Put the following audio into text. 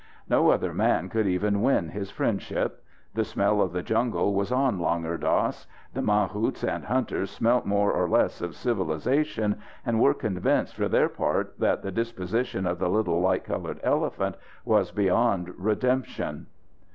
No other man could even win his friendship. The smell of the jungle was on Langur Dass. The mahouts and hunters smelt more or less of civilization and were convinced for their part that the disposition of the little light coloured elephant was beyond redemption.